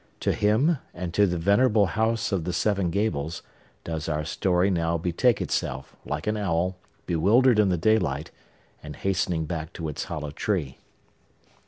To him, and to the venerable House of the Seven Gables, does our story now betake itself, like an owl, bewildered in the daylight, and hastening back to his hollow tree.